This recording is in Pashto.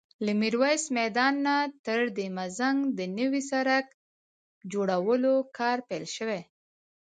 له ميرويس میدان نه تر دهمزنګ د نوي سړک جوړولو کار پیل شوی